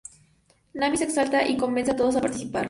Nami se exalta y convence a todos a participar.